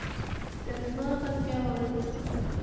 د رضوان غږ بیا واورېدل شو.